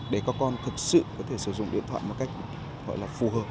để các con thực sự có thể sử dụng điện thoại một cách gọi là phù hợp